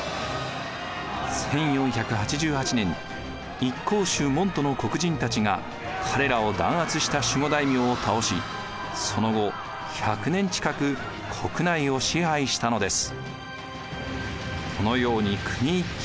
１４８８年一向宗門徒の国人たちが彼らを弾圧した守護大名を倒しその後１００年近く国内を支配したのです。